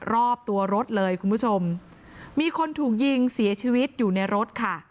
รอบตัวรถเลยคุณผู้ชมมีคนถูกยิงเสียชีวิตอยู่ในรถค่ะ